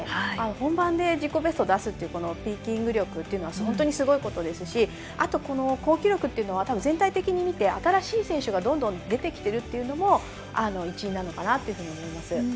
本番で自己ベストを出すというピーキング力というのはすごいことですし好記録というのは全体的に見て新しい選手がどんどん出てきているのも一因なのかなと思います。